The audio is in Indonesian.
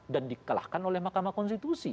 dan dikelahkan oleh mahkamah konstitusi